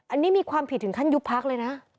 อันนี้มีความผิดถึงขั้นยุบพักเลยนะ